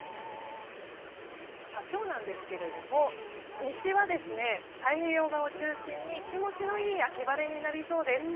今日ですが、西は太平洋側を中心に気持ちのいい秋晴れになりそうです。